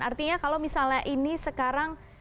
artinya kalau misalnya ini sekarang